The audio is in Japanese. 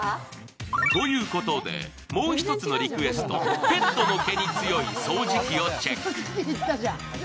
ということで、もう一つのリクエスト、ペットの毛に強い掃除機をチェック。